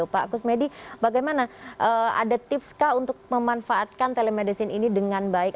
pak kusmedi bagaimana ada tips kah untuk memanfaatkan telemedicine ini dengan baik